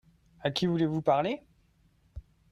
À qui voulez-vous parler ?